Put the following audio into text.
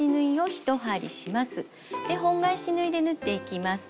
で本返し縫いで縫っていきます。